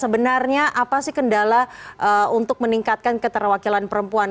sebenarnya apa sih kendala untuk meningkatkan keterwakilan perempuan